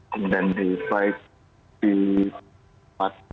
kemudian baik di tempat